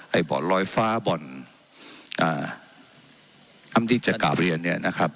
บ่อนลอยฟ้าบ่อนอ่าน้ำที่จะกราบเรียนเนี่ยนะครับ